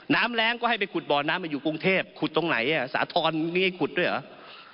แรงก็ให้ไปขุดบ่อน้ำมาอยู่กรุงเทพขุดตรงไหนสาธรณ์มีให้ขุดด้วยเหรอ